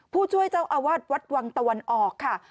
ผู้ช่วยเจ้าอาวาสวัดวังตะวันออกค่ะ